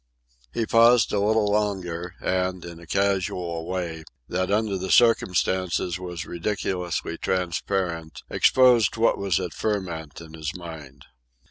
He paused a little longer, and, in a casual way, that under the circumstances was ridiculously transparent, exposed what was at ferment in his mind.